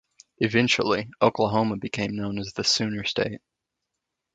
Eventually, Oklahoma became known as The Sooner State.